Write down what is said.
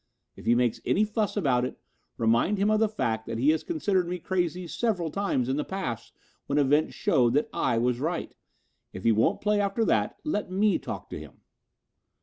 If he makes any fuss about it, remind him of the fact that he has considered me crazy several times in the past when events showed that I was right. If he won't play after that, let me talk to him."